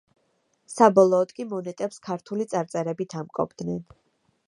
საბოლოოდ კი მონეტებს ქართული წარწერებით ამკობდნენ.